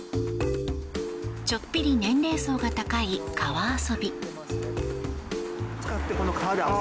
ちょっぴり年齢層が高い川遊び。